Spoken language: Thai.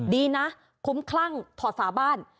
ดีนะคุ้มคลั่งถอดฝาบ้าน